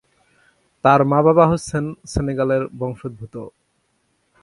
তার বাবা-মা হচ্ছেন সেনেগালের বংশোদ্ভূত।